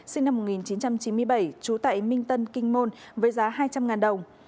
sinh năm một nghìn chín trăm chín mươi bảy trú tại minh tân kinh môn với giá hai trăm linh đồng